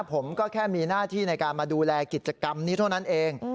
ผมก็แค่มีหน้าที่ในการมาดูแลกิจกรรมนี้เท่านั้นเอง